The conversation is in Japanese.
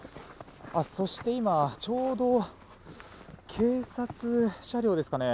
そして、今ちょうど警察車両ですかね。